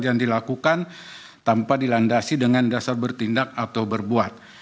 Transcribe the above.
yang dilakukan tanpa dilandasi dengan dasar bertindak atau berbuat